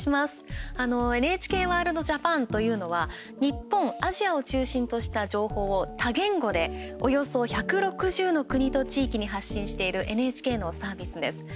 ＮＨＫワールドＪＡＰＡＮというのは日本、アジアを中心とした情報を多言語でおよそ１６０の国と地域に発信しているＮＨＫのサービスです。